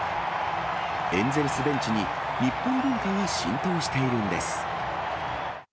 エンゼルスベンチに日本文化が浸透しているんです。